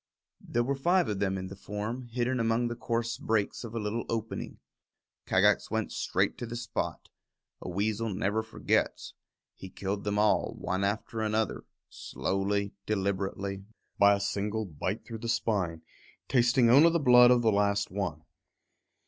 There were five of them in the form, hidden among the coarse brakes of a little opening. Kagax went straight to the spot. A weasel never forgets. He killed them all, one after another, slowly, deliberately, by a single bite through the spine, tasting only the blood of the last one.